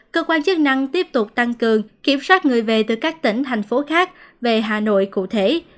cơ quan chức năng tiếp tục tăng cường kiểm soát người về từ các tỉnh thành phố khác về hà nội cụ thể